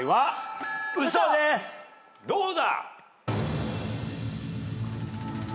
どうだ？